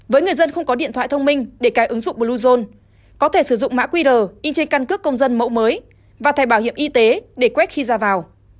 với người dân không có điện thoại thông minh để cài ứng dụng bluezone có thể sử dụng mã qr inche căn cước công dân mẫu mới và thẻ bảo hiểm y tế để quét khi ra vào